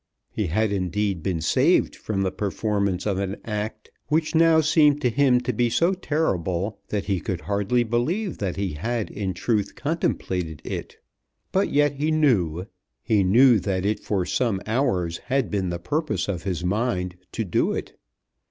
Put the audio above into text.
He had indeed been saved from the performance of an act which now seemed to him to be so terrible that he could hardly believe that he had in truth contemplated it; but yet he knew, he knew that it for some hours had been the purpose of his mind to do it!